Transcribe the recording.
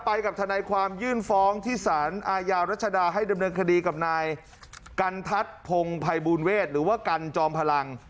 กับทนายความยื่นฟ้องที่สารอาญารัชดาให้ดำเนินคดีกับนายกันทัศน์พงภัยบูลเวศหรือว่ากันจอมพลัง